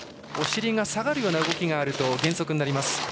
お尻が下がるような動きがあると減速になります。